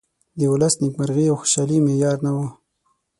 د ولس نیمکرغي او خوشالي معیار نه ؤ.